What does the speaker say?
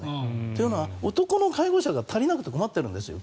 というのは男の介護者が足りなくて困っているんですよ